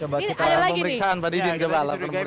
coba kita pemeriksaan pak didin coba lah pemeriksaan